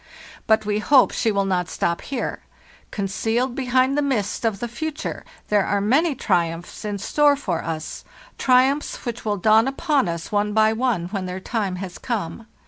But we hope she will not stop here; concealed behind the mist of the future there are many triumphs in store for us—triumphs which will dawn upon us one by one when their time has come.